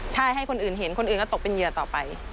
ใช่ให้คนอื่นเห็นคนอื่นก็ตกเป็นเหยื่อต่อไป